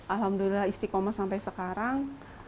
alhamdulillah istiqomah sampai sekarang